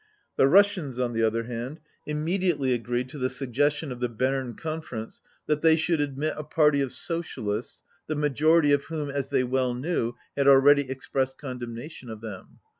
The Russians, on the other hand, immediately vi agreed to the suggestion of the Berne Conference that they should admit a party of socialists, the majority of whom, as they well knew, had already expressed condemnation of them.